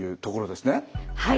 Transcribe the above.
はい。